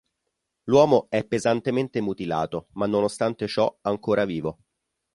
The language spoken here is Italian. L'uomo è pesantemente mutilato, ma nonostante ciò ancora vivo.